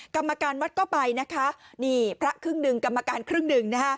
กรรมการวัดก็ไปนะคะนี่พระครึ่งหนึ่งกรรมการครึ่งหนึ่งนะคะ